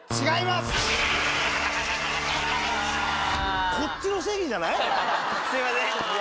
すいません！